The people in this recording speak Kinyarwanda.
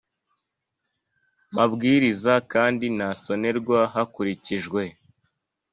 Mabwiriza kandi ntasonerwa hakurikijwe